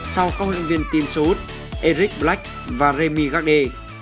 sau các huấn luyện viên team seoul eric black và remy garde